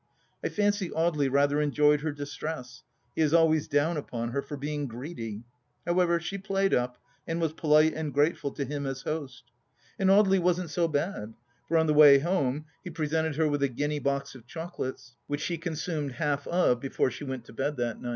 I fancy Audely rather enjoyed her distress ; he is always down upon her for being greedy ! However, she played up and was polite and grateful to him as host. And Audely wasn't so bad, for on the way home he presented her with a guinea box of chocolates, which she consumed half of before she went to bed that night.